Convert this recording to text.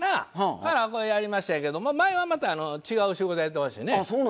からこれやりましたけど前はまた違う仕事やってましてね。